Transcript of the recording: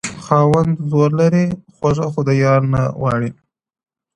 • خاونده زور لرم خواږه خو د يارۍ نه غواړم؛